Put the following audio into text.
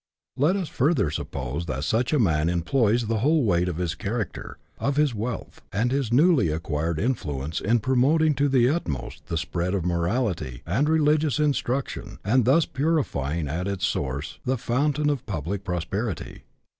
Let us further suppose that such a man employs the whole weight of his character, of his wealth, and his newly acquired influence, in promoting to the utmost the spread of morality and religious instruction, and thus purifying at its source the foun tain of public prosperity.